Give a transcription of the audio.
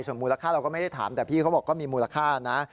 ส่วนมูลค่าเราก็ไม่ได้ถามแต่พี่เขาบอกก็มีมูลค่านะ